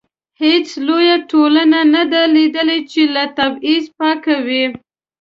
هیڅ لویه ټولنه نه ده لیدلې چې له تبعیض پاکه وي.